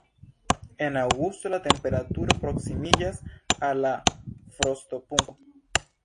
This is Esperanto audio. En aŭgusto la temperaturo proksimiĝas al la frostopunkto.